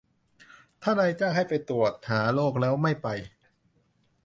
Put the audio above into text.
ถ้านายจ้างให้ไปตรวจหาโรคแล้วไม่ไป